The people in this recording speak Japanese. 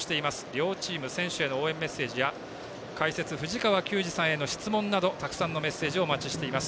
両チーム、選手への応援メッセージや解説、藤川球児さんへの質問などたくさんのメッセージをお待ちしています。